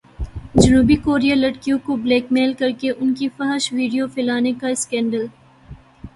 جنوبی کوریا لڑکیوں کو بلیک میل کرکے ان کی فحش ویڈیوز پھیلانے کا اسکینڈل